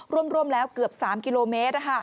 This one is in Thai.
รวมแล้วเกือบ๓กิโลเมตร